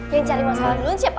yang cari masalah dulu siapa